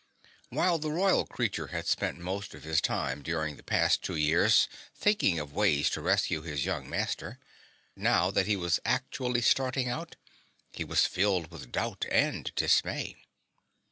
While the Royal Creature had spent most of his time during the past two years thinking of ways to rescue his young Master, now that he was actually starting out he was filled with doubt and dismay.